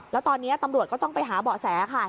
แล้วตอนนี้ตำรวจก็ต้องไปหาเบาะแสค่ะ